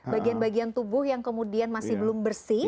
bagian bagian tubuh yang kemudian masih belum bersih